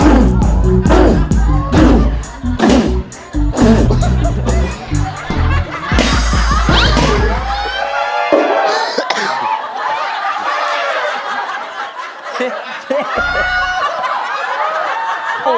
หาร้องหน่อย